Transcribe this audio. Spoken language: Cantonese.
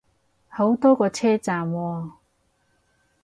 好多個車站喎